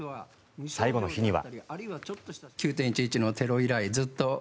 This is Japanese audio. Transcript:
最後の日には。